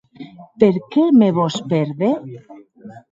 Per qué me vòs pèrder?